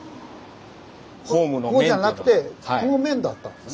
ここじゃなくてこの面だったんですね。